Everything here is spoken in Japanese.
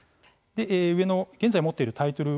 上の現在持っているタイトル